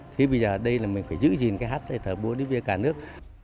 thế bây giờ đây là mình phải giữ gìn cái hát thờ vua đi với cả nước